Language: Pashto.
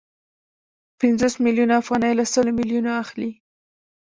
پنځوس میلیونه افغانۍ له سلو میلیونو اخلي